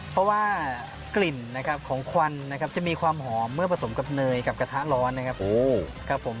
เพราะว่ากลิ่นของควันจะมีความหอมเมื่อผสมกับเนยกับกระทะร้อนนะครับ